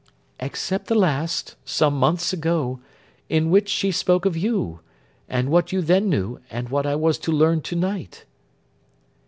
'Except the last—some months ago—in which she spoke of you, and what you then knew, and what I was to learn to night.